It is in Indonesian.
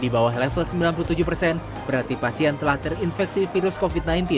di bawah level sembilan puluh tujuh persen berarti pasien telah terinfeksi virus covid sembilan belas